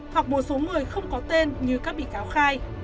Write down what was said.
hoặc một số người không có tên như các bị cáo khai